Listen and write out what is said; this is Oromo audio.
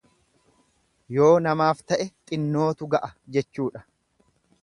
Yoo namaaf ta'e xinnootu ga'a jechuudha.